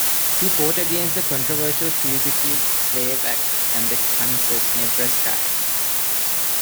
He fought against the controversial Fugitive Slave Act and the Kansas-Nebraska Act.